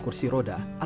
saya bisa mencretur diri